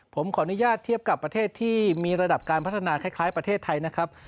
ผมขออนุญาตเทียบกับประเทศที่มีระดับการพัฒนาคล้ายประเทศไทยนะครับ